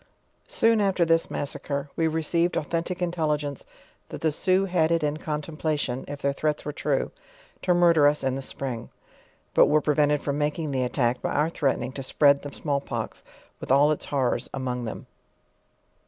Soon after this massacre, we received authentic intelli gence, that the Sioux had it in contemplation (if their threats were true) to murder us in the spring; but were prevented from making the attack, by our threatening to spread the small pox with all its horrors among them.